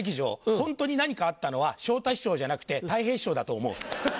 ホントに何かあったのは昇太師匠じゃなくてたい平師匠だと思う。